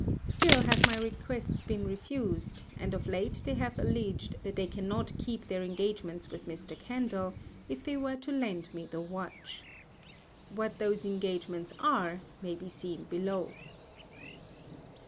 Still have my Requests been refused, and of late they have alledged that they cannot keep their Engagements with Mr. Kendall if they were to lend me the Watch. What those Engagements are may be seen below.